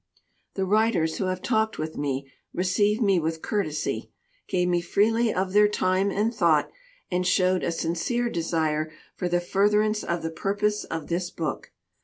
The writers who have talked with me received me with courtesy, gave me freely of their time and thought, and showed a sincere desire for the furtherance of the purpose of this book.